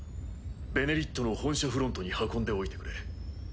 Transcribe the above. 「ベネリット」の本社フロントに運んでおいてくれ。